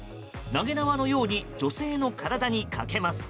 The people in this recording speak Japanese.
投げ縄のように女性の体にかけます。